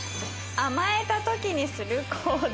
「甘えた時にする行動」